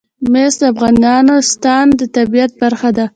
مس د افغانستان د طبیعت برخه ده.